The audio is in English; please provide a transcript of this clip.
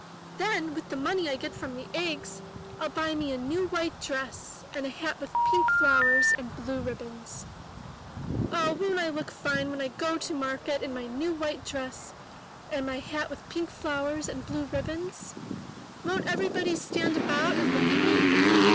Then with the money I get from the eggs, FU buy me a new white dress and a hat with pink flowers and blue ribbons. Oh, won't I look fine when I go to market in my new white dress and my hat with pink flowers and blue 146 I N THE NURSERY ribbons? Won't everybody stand about and look at me?